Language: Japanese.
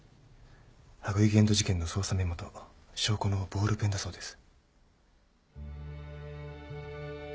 羽喰玄斗事件の捜査メモと証拠のボールペンだそうです。